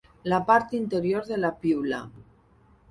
La part interior de la piula.